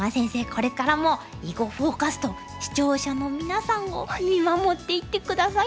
これからも「囲碁フォーカス」と視聴者の皆さんを見守っていって下さいね。